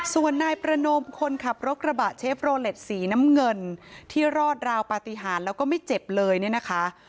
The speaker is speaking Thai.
ส่วนนายประนมคนขับรถกระบะเชฟโรเล็ตสีน้ำเงินที่รอดราวปฏิหารแล้วก็ไม่เจ็บเลยเนี่ยนะคะ